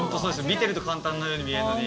見てると簡単なように見えるのに。